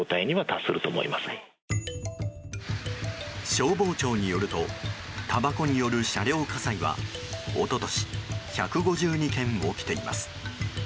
消防庁によるとたばこによる車両火災は一昨年、１５２件起きています。